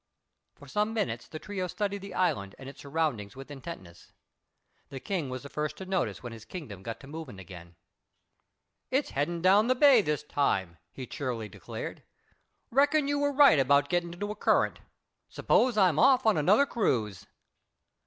For some minutes the trio studied the island and its surroundings with intentness. The King was the first to notice when his kingdom got to moving again. "It's headin' down the bay this time," he cheerily declared. "Reckon you were right about getting into a current. S'pose I'm off on another cruise."